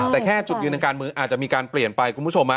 แต่แค่จุดยืนทางการเมืองอาจจะมีการเปลี่ยนไปคุณผู้ชม